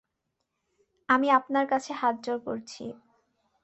আমি আপনার কাছে হাতজোড় করছি।